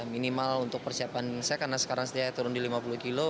minimal untuk persiapan saya karena sekarang saya turun di lima puluh kg